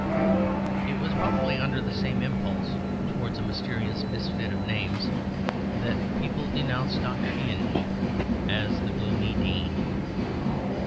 It was probably under the same impulse towards a mysterious misfit of names that people denounced Dr. Inge as "the Gloomy Dean."